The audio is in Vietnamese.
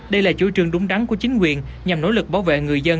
đây là chủ trương đúng đắn của chính quyền nhằm nỗ lực bảo vệ người dân